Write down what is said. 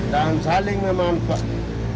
dan saling memanfaatkan